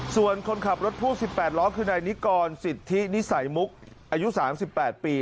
ส่วนคนขับรถพ่วงสิบแปดล้อคือในนิกรสิทธินิสัยมุกอายุสามสิบแปดปี